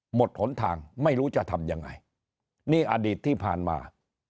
หมดหนทางไม่รู้จะทำยังไงนี่อดีตที่ผ่านมา